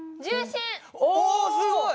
おすごい！